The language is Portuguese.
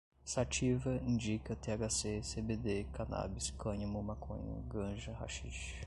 sativa, indica, thc, cbd, canábis, cânhamo, maconha, ganja, haxixe